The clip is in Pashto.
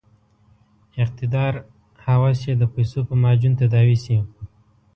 اقتدار هوس یې د پیسو په معجون تداوي شي.